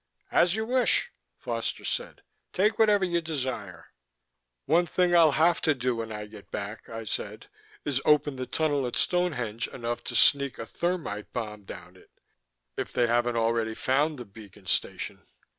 "As you wish," Foster said. "Take whatever you desire." "One thing I'll have to do when I get back," I said, "is open the tunnel at Stonehenge enough to sneak a thermite bomb down it if they haven't already found the beacon station."